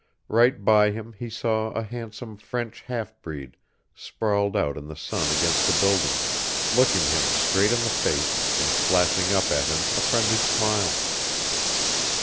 Right by him he saw a handsome French half breed sprawled out in the sun against a building, looking him straight in the face and flashing up at him a friendly smile.